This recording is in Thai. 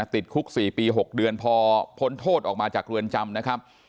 ติดคุก๔ปี๖เดือนพอพ้นโทษออกมาจากเรือนจำนะครับ